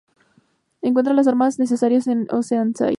Encuentra las armas necesarias en Oceanside.